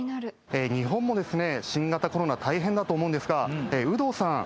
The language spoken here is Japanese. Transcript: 日本もですね新型コロナ大変だと思うんですが有働さん